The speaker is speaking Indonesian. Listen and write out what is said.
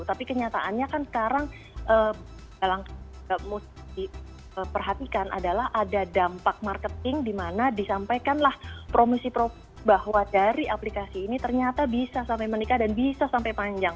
tapi kenyataannya kan sekarang yang mesti diperhatikan adalah ada dampak marketing di mana disampaikanlah promosi promosi bahwa dari aplikasi ini ternyata bisa sampai menikah dan bisa sampai panjang